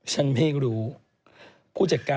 จริงน่าจะบอกว่า